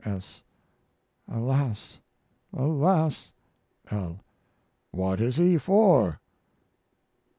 S. Alas alas! L. What is he for?